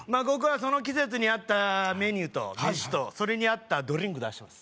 その季節に合ったメニューと飯とそれに合ったドリンク出してます